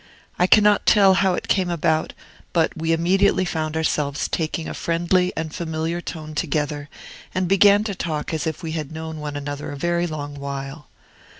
I cannot tell how it came about, but we immediately found ourselves taking a friendly and familiar tone together, and began to talk as if we had known one another a very long while.